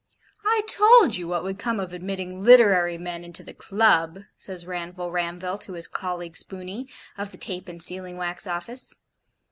'I told you what would come of admitting literary men into the Club,' says Ranville Ranville to his colleague, Spooney, of the Tape and Sealing Wax Office.